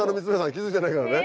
気付いてないからね。